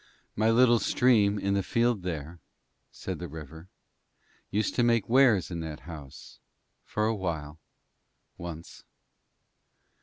'My little stream in the field there,' said the river, 'used to make wares in that house for awhile once.'